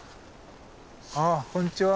あこんにちは。